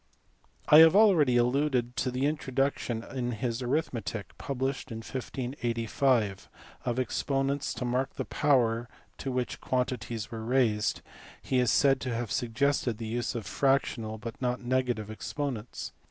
I have already alluded (see above, p. 232) to the intro duction in his Arithmetic, published in 1585, of exponents to mark the power to which quantities were raised : he is said to have suggested the use of fractional (but not negative) expo nents.